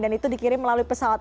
dan itu dikirim melalui pesawat